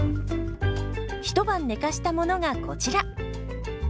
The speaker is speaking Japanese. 一晩寝かしたものがこちら。